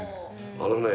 「あのね」